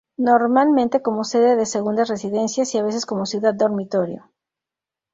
Normalmente como sede de segundas residencias y a veces como ciudad dormitorio.